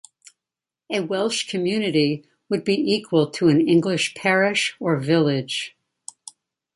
A Welsh community would be equal to an English parish or village.